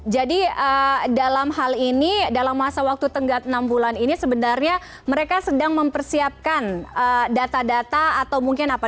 jadi dalam hal ini dalam masa waktu tenggat enam bulan ini sebenarnya mereka sedang mempersiapkan data data atau mungkin apa